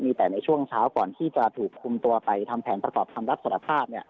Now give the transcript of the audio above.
มีแต่ในช่วงเช้าก่อนที่จะถูกคุมตัวไปทำแผนประกอบคำรับสารภาพ